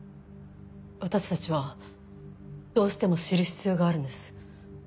私たちはどうしても知る必要があるんです。